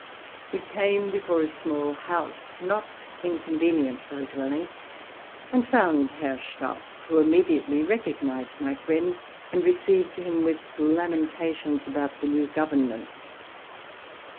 We approached a small house, not inconvenient fora dwell ing, and found Herr Stauf, who immediately recognized my fr fiend, and received him with lamentations about the new goy ernment.